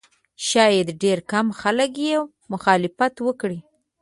شاید ډېر کم خلک یې مخالفت وکړي.